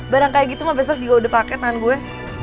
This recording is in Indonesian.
barang kayak gitu mah besok juga udah paket tangan gue